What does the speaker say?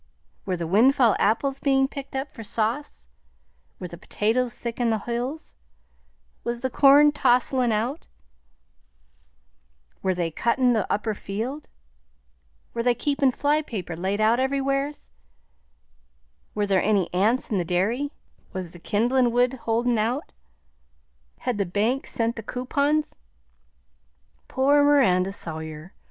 "Were the windfall apples being picked up for sauce; were the potatoes thick in the hills; was the corn tosselin' out; were they cuttin' the upper field; were they keepin' fly paper laid out everywheres; were there any ants in the dairy; was the kindlin' wood holdin' out; had the bank sent the cowpons?" Poor Miranda Sawyer!